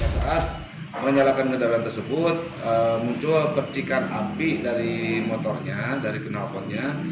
saat menyalakan kendaraan tersebut muncul percikan api dari motornya dari kenalpotnya